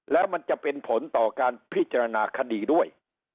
แล้วมันจะเป็นผลต่อการพิจารณาคดีด้วย